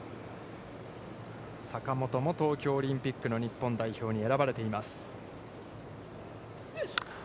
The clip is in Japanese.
坂本も東京オリンピックの日本代表に選ばれています。